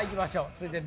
続いて。